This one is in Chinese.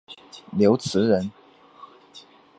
刘词人。